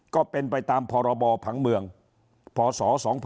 ก็เป็นไปตามพรบผังเมืองพศ๒๕๖